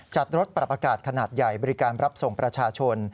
รถปรับอากาศขนาดใหญ่บริการรับส่งประชาชน